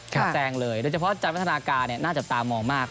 แจ้งเลยโดยเฉพาะจันทรัพย์ธนาการน่าจะตามองมาก